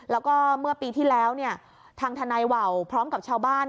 แล้วก็เมื่อปีที่แล้วเนี่ยทางทนายว่าวพร้อมกับชาวบ้าน